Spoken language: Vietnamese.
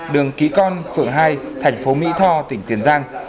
đường ký con phường hai thành phố mỹ tho tỉnh tiền giang